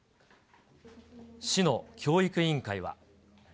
市の教育委員会は。